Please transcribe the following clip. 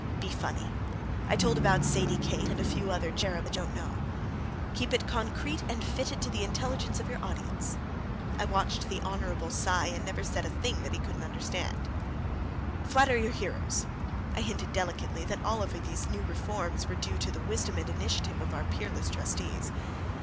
"Be funny." I told about Sadie Kate and a few other cherubs that you don't know. "Keep it concrete and fitted to the intelligence of your audience." I watched the Hon. Cy, and never said a thing that he couldn't understand. "Flatter your hearers." I hinted delicately that all of these new reforms were due to the wisdom and initiative of our peerless trustees.